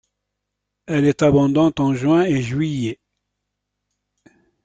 Elle est abondante en juin et juillet.